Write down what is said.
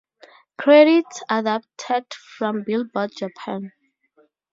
Credits adapted from "Billboard Japan".